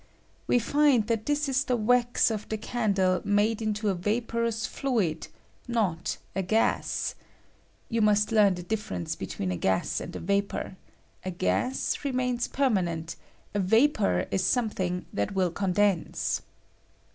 We find that this is the wax of the candle made into a vaporous fluid — not a gas. (You must learn the differ lence between a gas and a vapor : a gas remains lanent; a. vapor is something that wiU condense.)